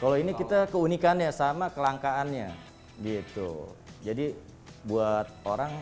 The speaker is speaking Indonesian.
kalau ini kita keunikannya sama kelangkaannya gitu jadi buat orang